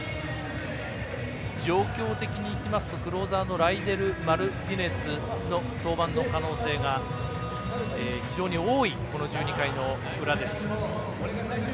状況的にいきますとクローザーのライデル・マルティネスの登板の可能性が非常に多い、１２回の裏です。